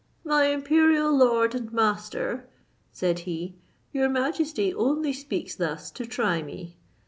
"My imperial lord and master," said he, "your majesty only speaks thus to try me.